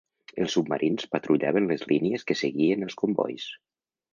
Els submarins patrullaven les línies que seguien els combois.